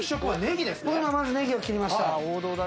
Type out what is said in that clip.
僕今まずネギを切りました。